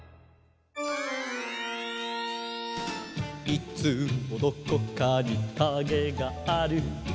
「いつもどこかにカゲがある」